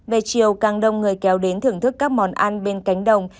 về chiều càng đông người kéo đến thưởng thức các món ăn bên cánh đồng